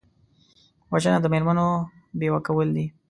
وژنه د مېرمنو بیوه کول دي